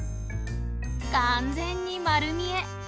完全に丸見え！